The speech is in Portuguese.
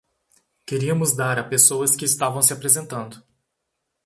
Queríamos dar a pessoas que estavam se apresentando.